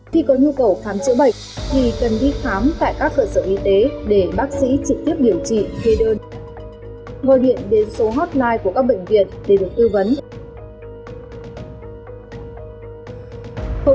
khi có nhu cầu khám chữa bệnh thì cần đi khám tại các cơ sở y tế để bác sĩ trực tiếp điều trị thê đơn